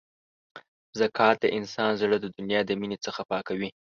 زکات د انسان زړه د دنیا د مینې څخه پاکوي.